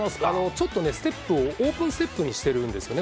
ちょっとね、ステップをオープンステップにしてるんですよね。